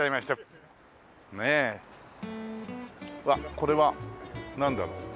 これはなんだろう？